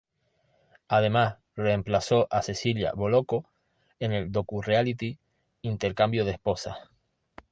Además, reemplazó a Cecilia Bolocco en el docureality "Intercambio de esposas".